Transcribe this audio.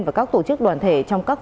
và các tổ chức đoàn thể trong các